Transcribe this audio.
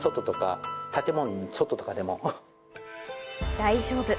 大丈夫。